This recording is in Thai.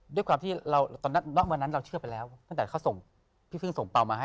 ด้วยความที่เราตอนนั้นณวันนั้นเราเชื่อไปแล้วตั้งแต่เขาส่งพี่พึ่งส่งเปล่ามาให้